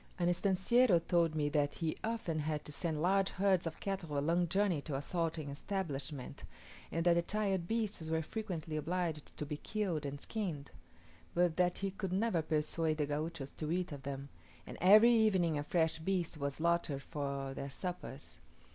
An "estanciero" told me that he often had to send large herds of cattle a long journey to a salting establishment, and that the tired beasts were frequently obliged to be killed and skinned; but that he could never persuade the Gauchos to eat of them, and every evening a fresh beast was slaughtered for their suppers!